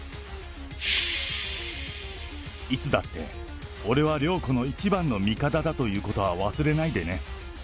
いつだって、俺は涼子の一番の味方だということは忘れないでね。